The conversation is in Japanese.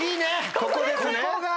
ここです！